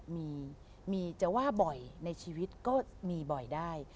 มีมีจะว่าบ่อยในชีวิตก็มีบ่อยได้